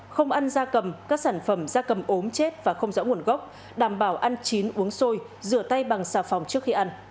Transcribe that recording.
không ăn da cầm các sản phẩm da cầm ốm chết và không rõ nguồn gốc đảm bảo ăn chín uống sôi rửa tay bằng xà phòng trước khi ăn